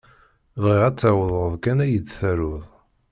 Bɣiɣ ad tawḍeḍ kan ad yi-d-taruḍ.